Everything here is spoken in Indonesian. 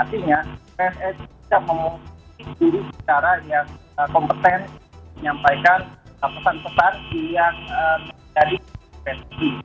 artinya pssi bisa memungkinkan diri secara kompeten menyampaikan pesan pesan yang menjadi kompetensi